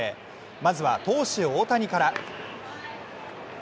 まずは投手・大谷から。